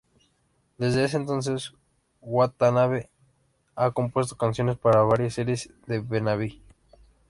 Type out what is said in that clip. Desde ese entonces, Watanabe ha compuestos canciones para varias series de Bemani.